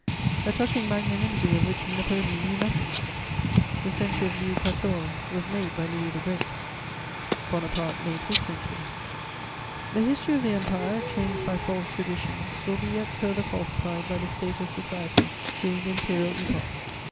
A touching magnanimity of which Napoleon knew nothing. The century of Louis XIV. was made by Louis the Great: Bonaparte made his century. The history of the Empire, changed by false traditions, will be yet further falsified by the state of society during the imperial Epoch.